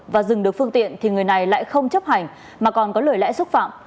và dừng được phương tiện thì người này lại không chấp hành mà còn có lời lẽ xúc phạm